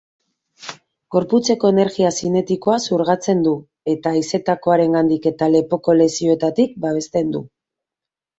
Gorputzeko energia zinetikoa xurgatzen du, eta haizetakoarengandik eta lepoko lesioetatik babesten du.